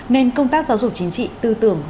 nên công tác giáo dục chính trị tư tưởng